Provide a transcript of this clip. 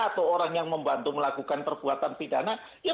atau orang yang membantu melakukan perbuatan pidana